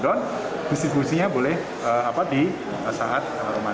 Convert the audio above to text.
dan distribusinya boleh di saat